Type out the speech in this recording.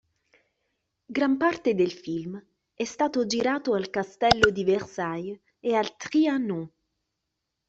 Gran parte del film è stato girato al castello di Versailles e al Trianon.